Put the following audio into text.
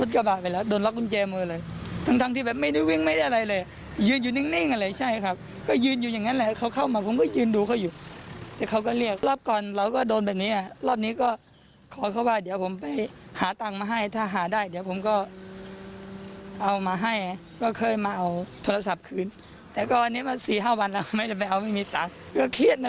ก็อันนี้มา๔๕วันแล้วไม่มีตังค์ก็เครียดนะพี่บางครั้งก็เครียดนะ